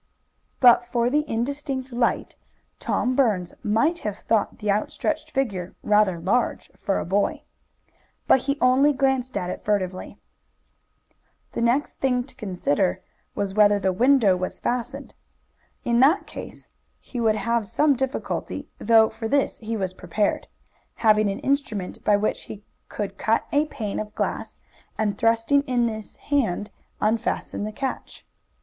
But for the indistinct light Tom Burns might have thought the outstretched figure rather large for a boy. But he only glanced at it furtively. The next thing to consider was whether the window was fastened. In that case he would have some difficulty, though for this he was prepared, having an instrument by which he could cut a pane of glass, and, thrusting in his hand, unfasten the catch.